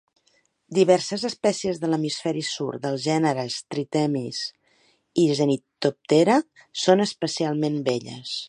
Diverses espècies de l'hemisferi sud dels gèneres Trithemis i Zenithoptera són especialment belles.